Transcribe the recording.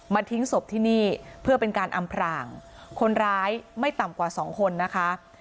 ทิ้งศพที่นี่เพื่อเป็นการอำพรางคนร้ายไม่ต่ำกว่าสองคนนะคะ